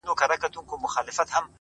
• هر سړي ویل په عامه هم په زړه کي,